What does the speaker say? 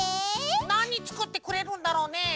なにつくってくれるんだろうね？